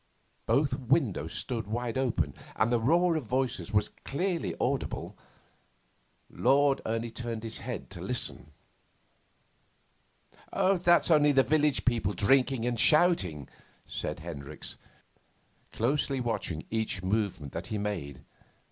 Both windows stood wide open, and the roar of voices was clearly audible. Lord Ernie turned his head to listen. 'That's only the village people drinking and shouting,' said Hendricks, closely watching each movement that he made.